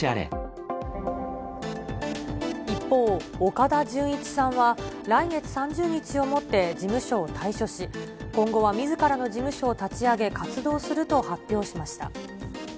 一方、岡田准一さんは、来月３０日をもって事務所を退所し、今後はみずからの事務所を立ち上げ、活動すると発表しました。